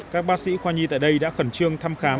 các bác sĩ khoa nhi tại đây đã khẩn trương thăm khám